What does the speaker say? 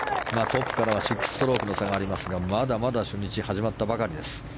トップからは６ストロークの差がありますがまだまだ初日始まったばかりです。